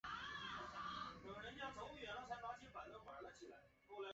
所以冬狼无论是在月光下还是在完全黑暗中都能像白天一样视物。